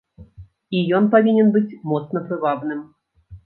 І ён павінен быць моцна прывабным.